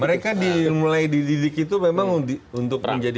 mereka mulai dididik itu memang untuk menjadi